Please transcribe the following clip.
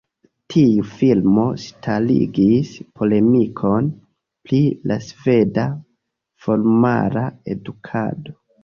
Tiu filmo starigis polemikon pri la sveda formala edukado.